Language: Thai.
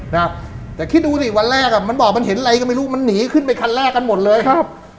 นะแต่คิดดูสิวันแรกอ่ะมันบอกมันเห็นอะไรก็ไม่รู้มันหนีขึ้นไปคันแรกกันหมดเลยครับ